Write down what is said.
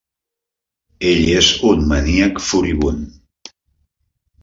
Ell és un maníac furibund.